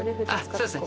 そうですね。